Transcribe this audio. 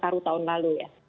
tahun tahun lalu ya